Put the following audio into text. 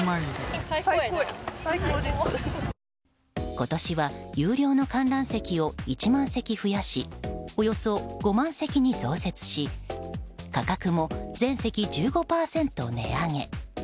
今年は有料の観覧席を１万席増やしおよそ５万席に増設し価格も全席１５％値上げ。